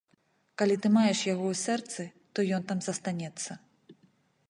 Калі ты маеш яго ў сэрцы, то ён там застанецца.